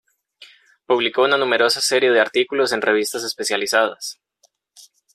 Publicó una numerosa serie de artículos en revistas especializadas.